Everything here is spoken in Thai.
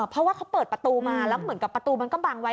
เพราะว่าเขาเปิดประตูมาแล้วเหมือนกับประตูมันก็บังไว้